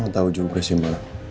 gue gak tau juga sih mbak